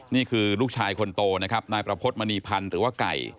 นี่คือลูกชายคนโตนะครับนายประพฤติมณีพันธ์หรือว่าไก่